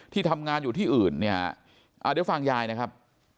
ทำงานอยู่ที่อื่นเนี่ยเดี๋ยวฟังยายนะครับ